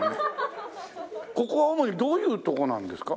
ここは主にどういうとこなんですか？